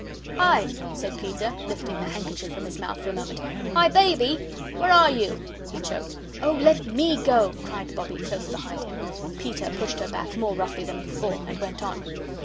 "Hi," said Peter, lifting the handkerchief from his mouth for a moment. "Hi, Baby where are you?" He choked. "Oh, let ME go," cried Bobbie, close behind him. Peter pushed her back more roughly than before, and went on.